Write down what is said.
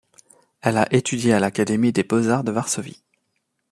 Elle a étudié à l'Académie des beaux-arts de Varsovie.